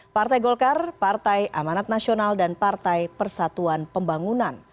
partai golkar partai amanat nasional dan partai persatuan pembangunan